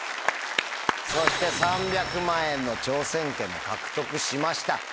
そして３００万円の挑戦権も獲得しました。